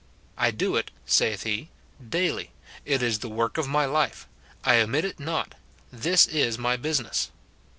"I do it," saith he, "daily; it is the work of my life: I omit it not ; this is my business."